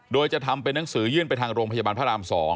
โดยจะทำเป็นหนังสือยื่นไปทางโรงพยาบาลพระราม๒